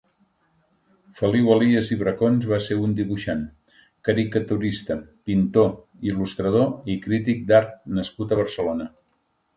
Feliu Elias i Bracons va ser un dibuixant, caricaturista, pintor, il·lustrador i crític d'art nascut a Barcelona.